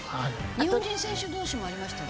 日本人選手同士もありましたよね。